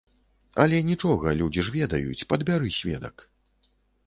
Але нічога, людзі ж ведаюць, падбяры сведак.